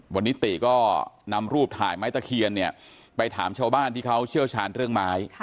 วันนี้ติก็นำรูปถ่ายไม้ตะเคียนเนี่ยไปถามชาวบ้านที่เขาเชี่ยวชาญเรื่องไม้